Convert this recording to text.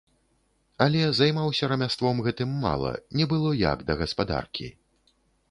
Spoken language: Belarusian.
Але займаўся рамяством гэтым мала, не было як да гаспадаркі.